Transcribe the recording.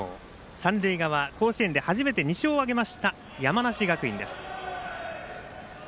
三塁側、甲子園で初めて２勝を挙げました山梨学院です。